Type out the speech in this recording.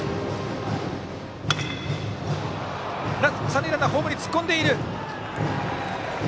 三塁ランナーホームに突っ込んでいる！